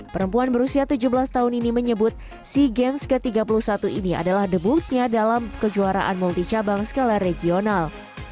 perempuan berusia tujuh belas tahun ini menyebut sea games ke tiga puluh satu ini adalah debutnya dalam kejuaraan multi cabang skala regional